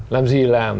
làm gì làm